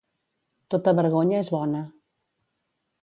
Tota vergonya és bona.